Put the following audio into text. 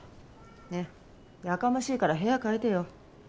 ねえやかましいから部屋変えてよ。